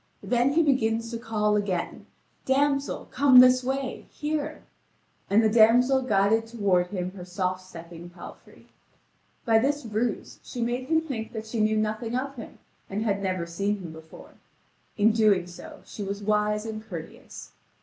Then he begins to call again: "Damsel, come this way, here!" And the damsel guided toward him her soft stepping palfrey. By this ruse she made him think that she knew nothing of him and had never seen him before; in so doing she was wise and courteous.